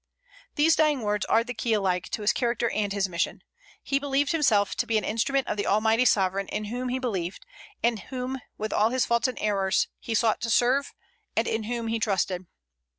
These dying words are the key alike to his character and his mission. He believed himself to be an instrument of the Almighty Sovereign in whom he believed, and whom, with all his faults and errors, he sought to serve, and in whom he trusted.